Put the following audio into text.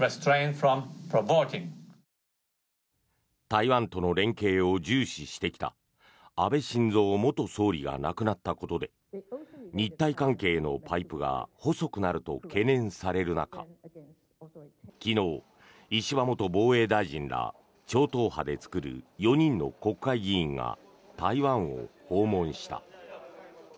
台湾との連携を重視してきた安倍晋三元総理が亡くなったことで日台関係のパイプが細くなると懸念される中昨日、石破元防衛大臣ら超党派で作る４人の国会議員が台湾を訪問した。